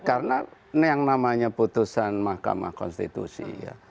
ya karena ini yang namanya putusan mahkamah konstitusi